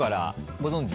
ご存じ？